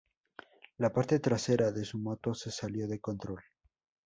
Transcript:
La parte trasera de su moto se salió de control.